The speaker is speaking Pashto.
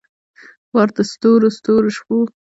بار د ستورو ستورو شپو